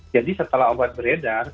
jadi setelah obat beredar